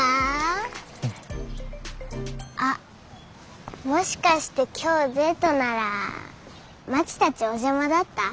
あっもしかして今日デートならまちたちお邪魔だった？